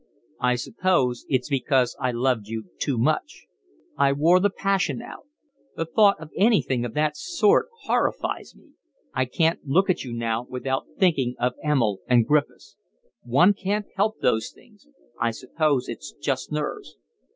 "I suppose it's because I loved you too much. I wore the passion out. The thought of anything of that sort horrifies me. I can't look at you now without thinking of Emil and Griffiths. One can't help those things, I suppose it's just nerves."